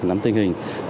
lắm tình hình